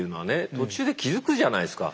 途中で気付くじゃないですか。